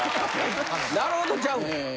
なるほどちゃうねん。